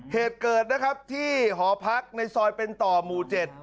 เหตุเกิดที่หอพักในซอยเป็นต่อมู๗